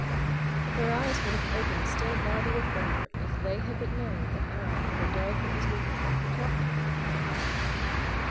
But their eyes would have opened still wider with wonder if they had but known that I and the dog that was with me could talk to one another.